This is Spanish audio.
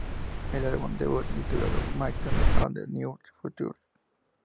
El álbum debut, titulado Myths of the Near Future.